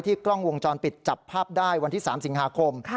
กล้องวงจรปิดจับภาพได้วันที่๓สิงหาคม